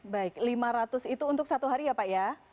baik lima ratus itu untuk satu hari ya pak ya